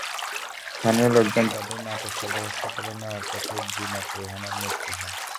স্থানীয় লোকজন তাঁদের নাটোর সদর হাসপাতালে নেওয়ার পথেই জিনাত রেহানার মৃত্যু হয়।